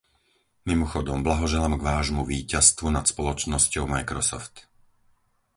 Mimochodom blahoželám k vášmu víťazstvu nad spoločnosťou Microsoft.